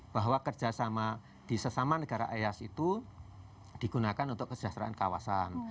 bahwa kerjasama di sesama negara ayas itu digunakan untuk kesejahteraan kawasan